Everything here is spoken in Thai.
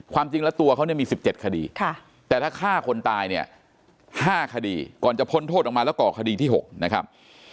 ความจริงแล้วตัวเขาเนี่ยมี๑๗คดีแต่ถ้าฆ่าคนตายเนี่ย๕คดีก่อนจะพ้นโทษออกมาแล้วก่อคดีที่๖นะครับ